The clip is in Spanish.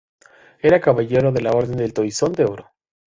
Era Caballero de la Orden del Toisón de Oro.